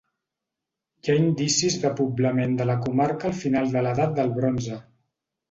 Hi ha indicis de poblament de la comarca al final de l'edat del bronze.